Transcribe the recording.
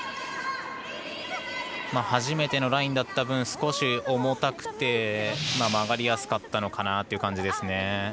初めてのラインだった分少し重たくて曲がりやすかったかなという感じですね。